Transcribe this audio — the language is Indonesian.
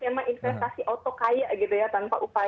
skema investasi otok kaya tanpa upaya padahal tapi ujung ujungnya bodoh